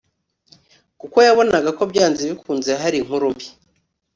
kuko yabonaga ko byanze bikunze hari inkuru mbi